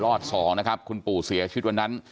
อด๒นะครับคุณปู่เสียชีวิตวันนั้น